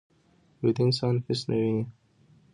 ویده انسان هېڅ نه ویني